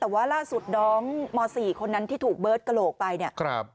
แต่ว่าล่าสุดน้องม๔คนนั้นที่ถูกเบิร์ตกระโหลกไปเนี่ย